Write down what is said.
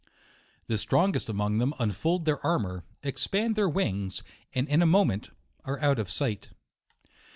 The strongest amongst them unfold their armour, expand their wings, and in a moment are out of sight.